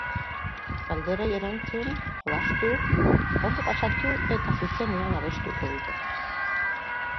Galderei erantzun, jolastu, ondo pasatu eta zuzenean abestuko dute.